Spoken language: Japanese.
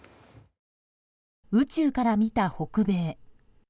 宇宙から見た北米。